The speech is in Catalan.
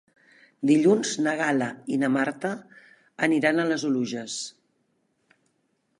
Dilluns na Gal·la i na Marta aniran a les Oluges.